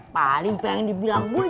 paling pengen dibilang gua jagoan